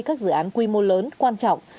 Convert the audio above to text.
các dự án quy mô lớn quan trọng